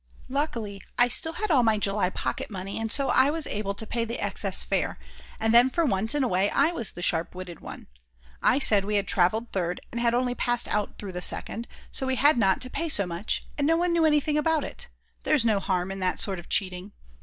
Luckily I still had all my July pocket money and so I was able to pay the excess fare, and then for once in a way I was the sharp witted one; I said we had travelled third and had only passed out through the second, so we had not to pay so much; and no one knew anything about it, there's no harm in that sort of cheating.